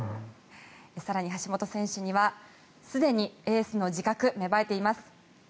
更に橋本選手にはすでにエースの自覚が芽生えています。